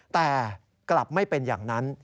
แต่กลับไม่เป็นอย่างนั้น